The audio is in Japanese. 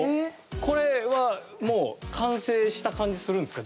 これはもう完成した感じするんですか